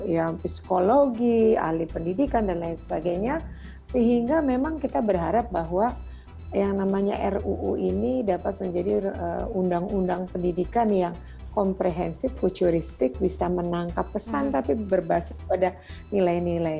ya psikologi ahli pendidikan dan lain sebagainya sehingga memang kita berharap bahwa yang namanya ruu ini dapat menjadi undang undang pendidikan yang komprehensif futuristik bisa menangkap pesan tapi berbasis pada nilai nilai